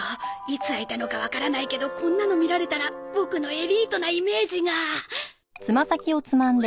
いつ開いたのかわからないけどこんなの見られたらボクのエリートなイメージが